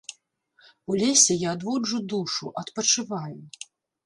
У лесе я адводжу душу, адпачываю.